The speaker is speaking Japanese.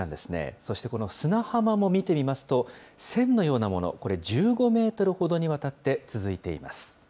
そしてこの砂浜も見てみますと、線のようなもの、これ、１５メートルほどにわたって続いています。